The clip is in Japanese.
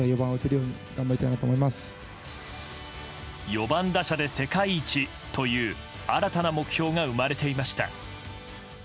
４番打者で世界一という新たな目標が生まれていました。